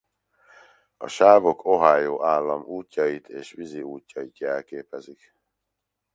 A sávok Ohio állam útjait és vízi útjait jelképezik.